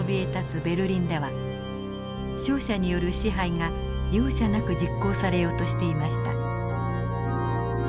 ベルリンでは勝者による支配が容赦なく実行されようとしていました。